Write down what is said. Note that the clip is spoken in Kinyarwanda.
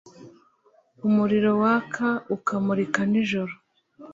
umuriro waka ukamurika nijoro.